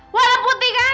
warna putih kan